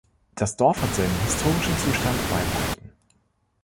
Das Dorf hat seinen historischen Zustand beibehalten.